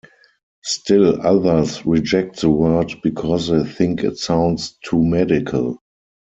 Still others reject the word because they think it sounds too medical.